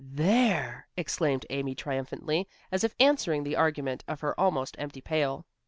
"There!" exclaimed Amy triumphantly, as if answering the argument of her almost empty pail.